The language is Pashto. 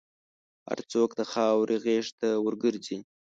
هر څوک د خاورې غېږ ته ورګرځي.